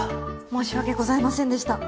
申し訳ございませんでした。